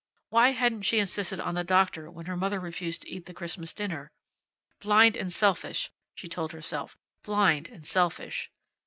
Why hadn't she insisted on the doctor when her mother refused to eat the Christmas dinner? Blind and selfish, she told herself; blind and selfish.